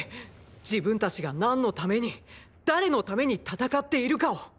自分たちが何のために誰のために戦っているかを。